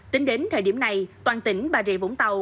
tính đến thời điểm này toàn tỉnh bà rịa vũng tàu